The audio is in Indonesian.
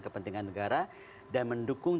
kepentingan negara dan mendukung